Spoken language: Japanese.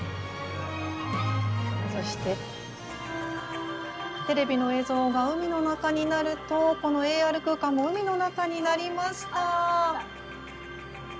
そして、テレビの映像が海の中になると、このＡＲ空間も海の中になりました。